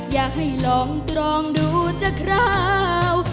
อยากให้ลองตรองดูจะคราว